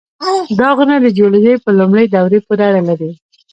دا غرونه د جیولوژۍ په لومړۍ دورې پورې اړه لري.